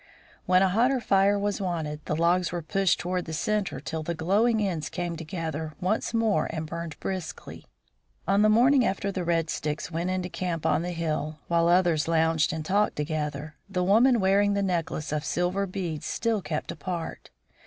When a hotter fire was wanted, the logs were pushed toward the center till the glowing ends came together once more and burned briskly. On the morning after the Red Sticks went into camp on the hill, while others lounged and talked together, the woman wearing the necklace of silver beads still kept apart.